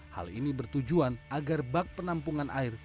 hal ini bertujuan agar bak penampungan air